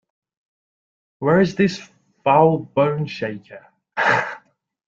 Where is this foul bone-shaker?